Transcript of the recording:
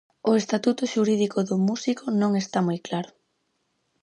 O estatuto xurídico do músico non está moi claro.